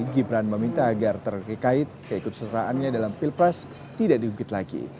gibran meminta agar terkait keikutsertaannya dalam pilpres tidak diungkit lagi